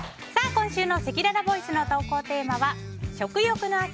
今週のせきららボイスの投稿テーマは食欲の秋！